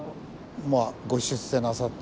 まあご出世なさって。